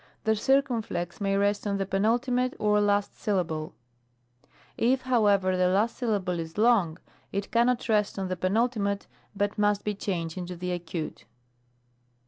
The circumflex may rest on the penult, or last syllable ; if, however, the last syllable is long, it cannot rest on the penult, but must be changed into the acute.